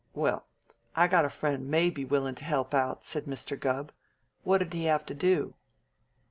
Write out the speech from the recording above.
"Well, I got a friend may be willing to help out," said Mr. Gubb. "What'd he have to do?"